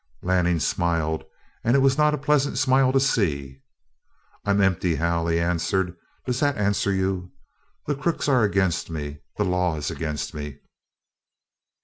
Lanning smiled, and it was not a pleasant smile to see. "I'm empty, Hal," he answered. "Does that answer you? The crooks are against me, the law is against me.